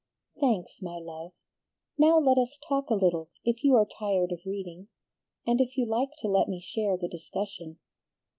"Thanks, my love. Now let us talk a little, if you are tired of reading, and if you like to let me share the discussion.